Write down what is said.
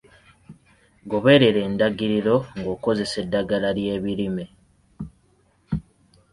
Goberera endagiriro ng'okozesa eddagala ly'ebirime.